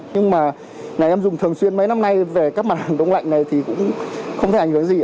nhưng mà ngày em dùng thường xuyên mấy năm nay về các mặt hàng đông lạnh này thì cũng không thấy ảnh hưởng gì ạ